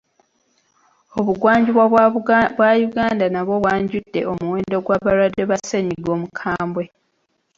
Obugwanjuba bwa Uganda nabwo bwanjudde omuwendo gw'abalwadde ba ssennyiga omukambwe.